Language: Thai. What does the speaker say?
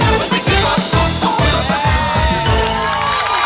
มันไม่ใช่รถตุ๊กเพราะว่ารถมหาสนุก